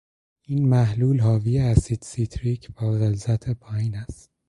این محلول حاوی اسید سیتریک با غلظت پایین است